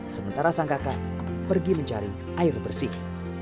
sementara sang kakak pergi mencari air bersih